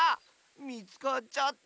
みつかっちゃった？